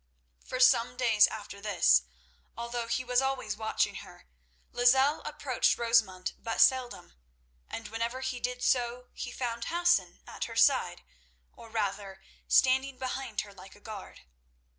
For some days after this, although he was always watching her, Lozelle approached Rosamund but seldom, and whenever he did so he found Hassan at her side, or rather standing behind her like a guard.